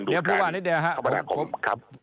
เดี๋ยวพรุ้านิดเดี๋ยวครับครับ